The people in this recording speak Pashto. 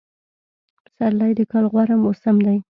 پسرلی دکال غوره موسم دی